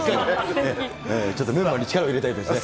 ちょっとメンバーに力を入れたいときにね。